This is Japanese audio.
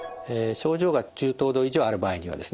症状が中等度以上ある場合にはですね